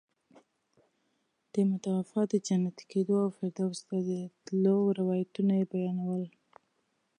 د متوفي د جنتي کېدو او فردوس ته د تلو روایتونه یې بیانول.